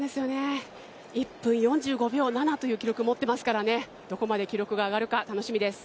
１分４５秒７という記録を持ってますからね、どこまで記録が上がるか楽しみです。